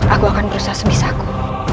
aku akan berusaha sebisaku